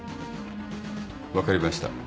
分かりました。